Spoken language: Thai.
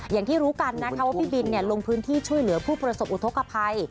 อย่างที่รู้กันนะคะว่าพี่บินลงพื้นที่ช่วยเหลือผู้ประสบอุทธกภัย